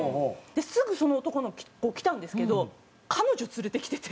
すぐその男の子来たんですけど彼女連れて来てて。